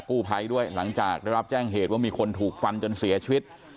กู้ภัยด้วยหลังจากได้รับแจ้งเหตุว่ามีคนถูกฟันจนเสียชีวิต